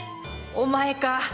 お前か！